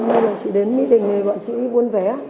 hôm nay là chị đến mỹ đình này bọn chị đi buôn vé